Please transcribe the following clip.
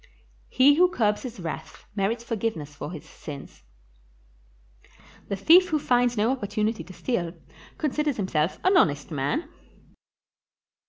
He who curbs his wrath merits forgiveness for his sins. The thief who finds no opportunity to steal, considers himself an honest man.